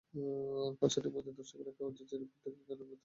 কনসার্টের মাঝে দর্শকেরা কাগজের চিরকুটে লিখে গানের অনুরোধ করবেন সেটাই নিয়ম।